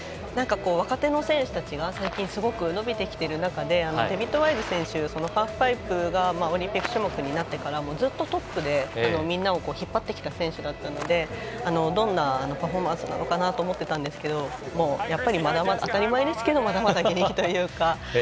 若手の選手たちが最近すごく伸びてきている中でデイビッド・ワイズ選手はハーフパイプがオリンピック種目になってからもずっとトップでみんなを引っ張ってきた選手だったのでどんなパフォーマンスなのかなと思っていたんですけどやっぱり当たり前ですけどまだまだ現役というか。